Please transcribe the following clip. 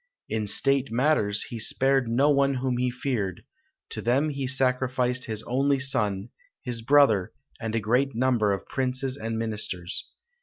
In state matters he spared no one whom he feared; to them he sacrificed his only son, his brother, and a great number of princes and ministers.